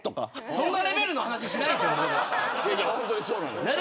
そんなレベルの話しないでしょ。